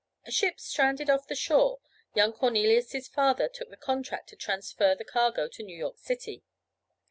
A ship stranded off the shore; young Cornelius' father took the contract to transfer the cargo to New York city.